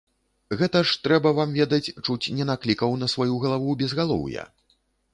Гэта ж, трэба вам ведаць, чуць не наклікаў на сваю галаву безгалоўя.